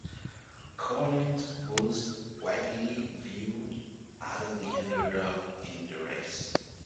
Collins was widely viewed as the underdog in the race.